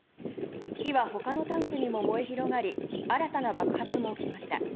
火はほかのタンクにも燃え広がり新たな爆発も起きました。